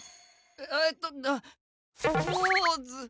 えっえっとポーズ！